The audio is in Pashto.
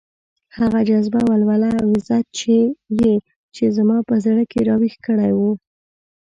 هغه جذبه، ولوله او عزت يې چې زما په زړه کې راويښ کړی وو.